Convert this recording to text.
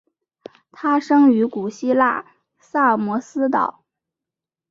他生于古希腊萨摩斯岛。